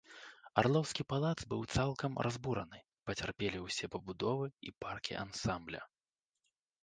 Арлоўскі палац быў цалкам разбураны, пацярпелі ўсе пабудовы і паркі ансамбля.